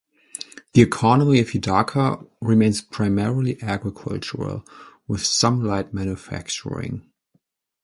The economy of Hidaka remains primarily agricultural, with some light manufacturing.